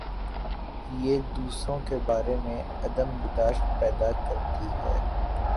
یہ دوسروں کے بارے میں عدم بر داشت پیدا کر تی ہے۔